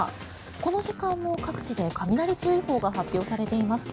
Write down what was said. この時間も各地で雷注意報が発表されています。